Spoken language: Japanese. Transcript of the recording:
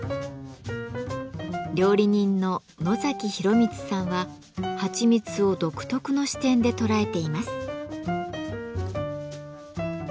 料理人の野洋光さんははちみつを独特の視点で捉えています。